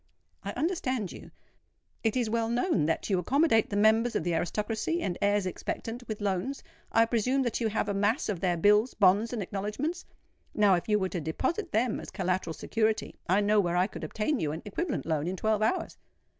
"I understand you. It is well known that you accommodate the members of the aristocracy and heirs expectant with loans; I presume that you have a mass of their bills, bonds, and acknowledgments? Now if you were to deposit them as collateral security, I know where I could obtain you an equivalent loan in twelve hours."